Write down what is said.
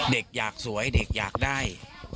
เด็กอยากสวยเด็กอยากได้